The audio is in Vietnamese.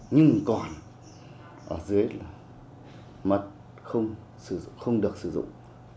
nhưng còn ở dưới là mặt không được sử dụng